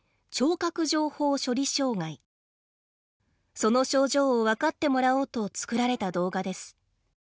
その症状を分かってもらおうと作られた動画です。